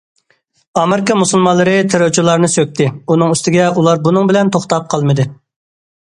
ئامېرىكا مۇسۇلمانلىرى تېررورچىلارنى سۆكتى، ئۇنىڭ ئۈستىگە ئۇلار بۇنىڭ بىلەن توختاپ قالمىدى.